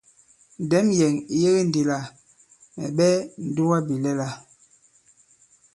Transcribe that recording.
Ndɛ̌m yɛ̀ŋ ì yege ndī lā mɛ̀ ɓɛ ǹdugabìlɛla.